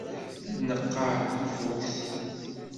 La d-tneqqer tafukt.